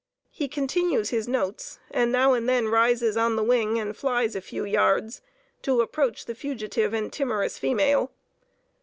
He continues his notes, and now and then rises on the wing, and flies a few yards to approach the fugitive and timorous female.